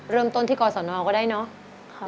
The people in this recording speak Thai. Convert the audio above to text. เริ่มต้นที่กรสนองเอาก็ได้เนาะ